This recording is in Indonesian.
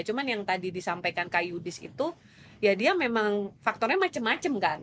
cuma yang tadi disampaikan kak yudis itu ya dia memang faktornya macam macam kan